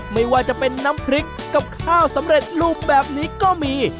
ไม่ว่าจะเป็นน้ำพริกกับข้าวสำเร็จรูปแบบนี้ก็มี